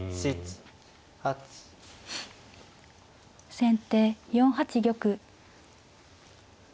先手４八玉。